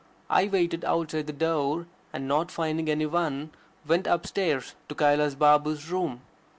I waited outside the door, and, not finding any one, went upstairs to Kailas Babu's room.